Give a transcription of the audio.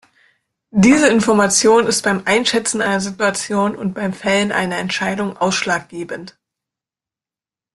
Diese Information ist beim Einschätzen einer Situation und beim Fällen einer Entscheidung ausschlaggebend.